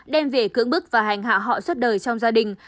đem về cưỡng bức và hành hạ họ suốt đời trong gia đình